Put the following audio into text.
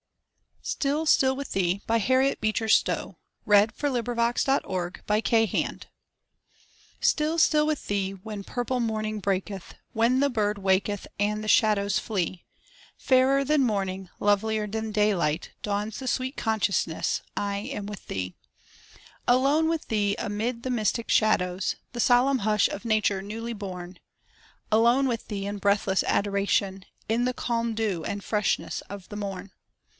C D . E F . G H . I J . K L . M N . O P . Q R . S T . U V . W X . Y Z Still, Still with Thee STILL, still with Thee, when purple morning breaketh, When the bird waketh and the shadows flee; Fairer than morning, lovilier than daylight, Dawns the sweet consciousness I am with Thee. Alone with Thee, amid the mystic shadows, The solemn hush of nature newly born; Alone with Thee in breathless adoration, In the calm dew and freshness of the morn.